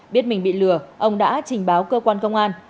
biết mình bị lừa ông đã trình báo cơ quan công an